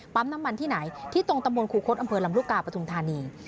ปั๊มน้ำมันที่ไหนที่ตรงตะโมนครูคสอำเภอลำรุกกาปทุมธานี